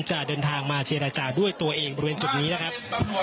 จะเดินทางมาเจรจาด้วยตัวเองบริเวณจุดนี้นะครับ